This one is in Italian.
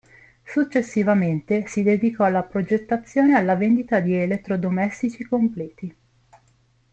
Successivamente, si dedicò alla progettazione e alla vendita di elettrodomestici completi.